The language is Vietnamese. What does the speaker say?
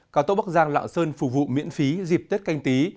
cả tổ bắc giang lạng sơn phục vụ miễn phí dịp tết canh tí